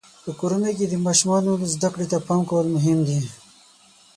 په کورنۍ کې د ماشومانو زده کړې ته پام کول مهم دي.